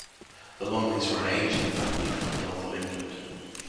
The Lumleys were an ancient family from the north of England.